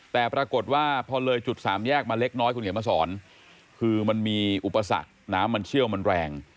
แต่ปรากฏว่าพอเลยจุดสามแยกมาเล็กน้อยคุณเขียนมาสอนคือมันมีอุปสรรคน้ำมันเชี่ยวมันแรง